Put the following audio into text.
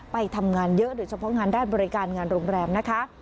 ไปทำงานเยอะโดยเฉพาะงานด้านบริการงานโรงแรมนะคะ